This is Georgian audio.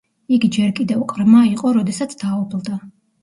იგი ჯერ კიდევ ყრმა იყო, როდესაც დაობლდა.